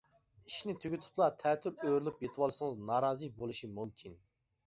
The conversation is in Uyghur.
ئىشنى تۈگىتىپلا تەتۈر ئۆرۈلۈپ يېتىۋالسىڭىز نارازى بولۇشى مۇمكىن.